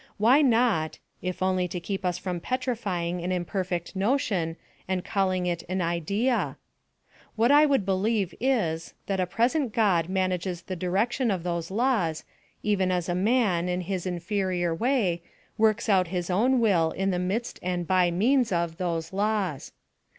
Why not if only to keep us from petrifying an imperfect notion, and calling it an Idea? What I would believe is, that a present God manages the direction of those laws, even as a man, in his inferior way, works out his own will in the midst and by means of those laws.